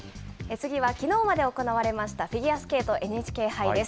次は、きのうまで行われましたフィギュアスケートＮＨＫ杯です。